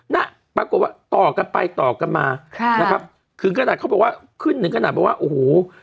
แล้วปรากฏว่าต่อกันไปต่อกันมาขึ้นกระดัดเขาบอกว่าขึ้นหนึ่งกระดัด